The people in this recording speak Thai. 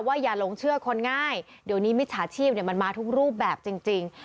อย่าหลงเชื่อคนง่ายเดี๋ยวนี้มิจฉาชีพมันมาทุกรูปแบบจริง